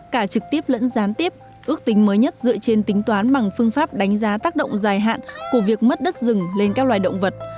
cả trực tiếp lẫn gián tiếp ước tính mới nhất dựa trên tính toán bằng phương pháp đánh giá tác động dài hạn của việc mất đất rừng lên các loài động vật